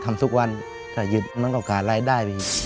ทำทุกวันถ้าหยุดมันก็ขาดรายได้ไปอีก